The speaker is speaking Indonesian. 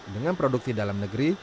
dengan produksi dalam negeri